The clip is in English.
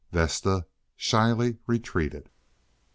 Vesta shyly retreated.